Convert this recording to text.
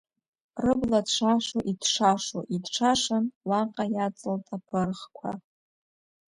Рыбла ҭшашо-иҭшашо иҭшашан, Уаҟа иаҵалт аԥырӷқәа!